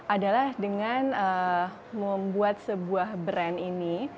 adalah dengan membuat sebuah brand ini